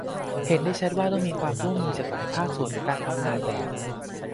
เห็นได้ชัดว่าต้องมีความร่วมมือจากหลายภาคส่วนหรือการทำงานแบบ